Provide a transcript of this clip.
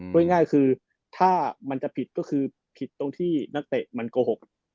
ง่ายคือถ้ามันจะผิดก็คือผิดตรงที่นักเตะมันโกหก